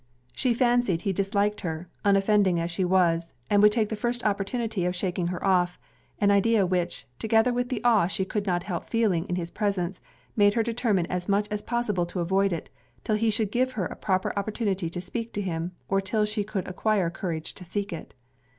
She fancied he disliked her, unoffending as she was, and would take the first opportunity of shaking her off: an idea which, together with the awe she could not help feeling in his presence, made her determine as much as possible to avoid it, 'till he should give her a proper opportunity to speak to him, or 'till she could acquire courage to seek it.